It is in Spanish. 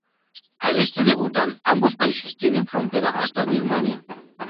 Al este de Bután, ambos países tienen frontera hasta Birmania.